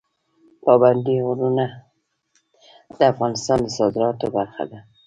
پابندی غرونه د افغانستان د صادراتو برخه ده.